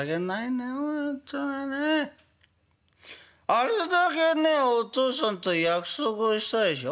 あれだけねお父さんと約束をしたでしょ？